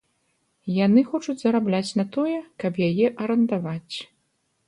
Яны хочуць зарабляць на тое, каб яе арандаваць.